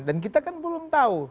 dan kita kan belum tahu